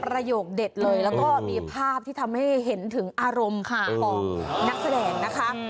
ประโยคเด็ดเลยแล้วก็มีภาพที่ทำให้เห็นถึงอารมณ์ของนักแสดงนะคะ